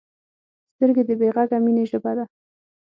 سترګې د بې غږه مینې ژبه ده